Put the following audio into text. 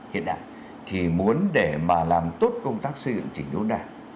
hiện đại thì muốn để mà làm tốt công tác xây dựng chỉnh đốn đảng